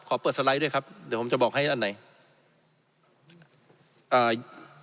ขอเปิดสไลด์ด้วยครับเดี๋ยวผมจะบอกให้อันไหนอ่า